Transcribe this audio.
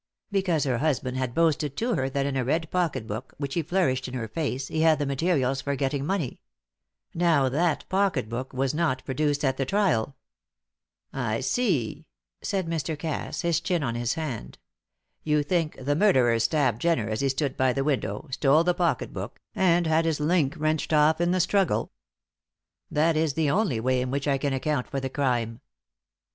"Because her husband had boasted to her that in a red pocket book which he flourished in her face he had the materials for getting money. Now, that pocket book was not produced at the trial." "I see," said Mr. Cass, his chin on his hand. "You think the murderer stabbed Jenner as he stood by the window, stole the pocket book, and had his link wrenched off in the struggle?" "That is the only way in which I can account for the crime."